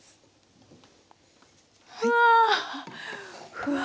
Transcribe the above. うわ！